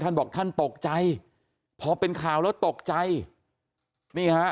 ท่านบอกท่านตกใจพอเป็นข่าวแล้วตกใจนี่ฮะ